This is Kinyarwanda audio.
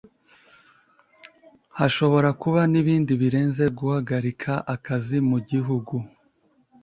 hashobora kuba n’ibindi birenze guhagarika akazi mu gihugu